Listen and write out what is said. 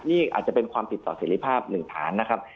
นี่อาจจะเป็นความผิดต่อเสร็จภาพหนึ่งฐานนะครับ